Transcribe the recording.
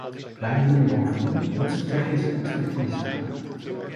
Wij bieden bovendien onze technische expertise aan.